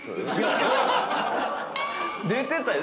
出てたよ。